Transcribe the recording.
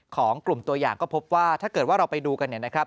ของกลุ่มตัวอย่างก็พบว่าถ้าเกิดว่าเราไปดูกันเนี่ยนะครับ